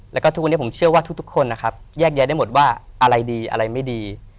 แล้วก็ทุกวันนี้ผมเชื่อว่าทุกคนนะครับแยกแยะได้หมดว่าอะไรดีอะไรไม่ดี